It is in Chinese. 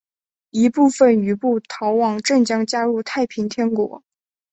一部分余部逃往镇江加入太平天国。